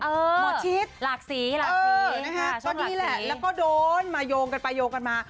เออรากศรีฮ่าเตอซินแล้วก็ได้แล้วแล้วก็โดนมายงกันไปโยงกันมา